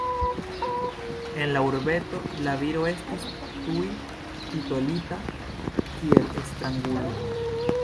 En la urbeto la viro estis tuj titolita kiel strangulo.